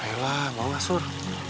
ayo lah mau lah sur